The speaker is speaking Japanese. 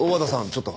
ちょっと。